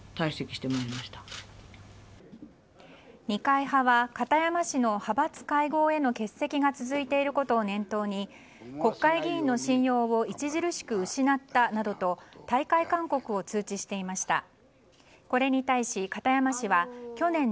二階派は片山氏の派閥会合への欠席が続いていることを念頭に国会議員の信用を著しく失ったなどと退会勧告を通知していました。